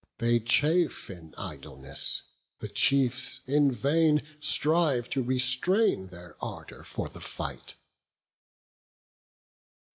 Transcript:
They chafe in idleness; the chiefs in vain Strive to restrain their ardour for the fight."